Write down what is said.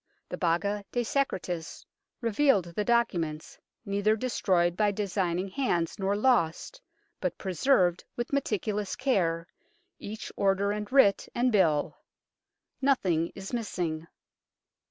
The Baga de Secretis revealed the documents, neither destroyed by designing hands nor lost, but preserved with meticulous care, each order and writ and bill. Nothing is missing.